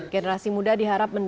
generasi muda diharap mendengar